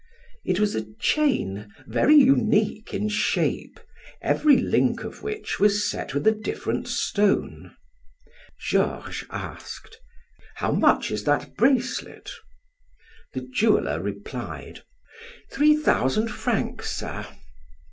It was a chain, very unique in shape, every link of which was set with a different stone. Georges asked: "How much is that bracelet?" The jeweler replied: "Three thousand francs, sir."